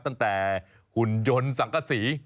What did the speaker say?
ตั้งแต่หุ่นยนต์สังกษี